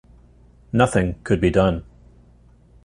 Nothing could be done.